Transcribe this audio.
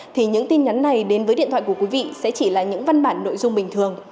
thì những tin nhắn này đến với điện thoại của quý vị sẽ chỉ là những văn bản nội dung bình thường